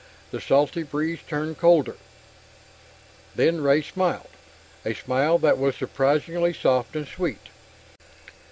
The salty breeze turned colder. Then Ray smiled a smile that was surprisingly soft and sweet.